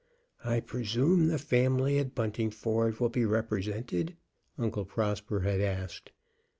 "I presume the family at Buntingford will be represented?" Uncle Prosper had asked.